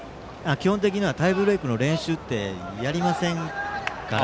基本的にはタイブレークの練習ってやりませんから。